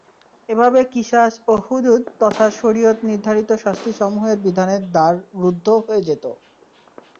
এভাবে কিসাস ও হুদূদ তথা শরীয়ত নির্ধারিত শাস্তিসমূহের বিধানের দ্বার রুদ্ধ হয়ে যেতো।